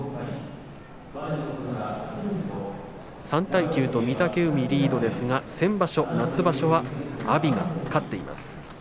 ３対９と御嶽海、リードですが先場所、夏場所は阿炎が勝っています。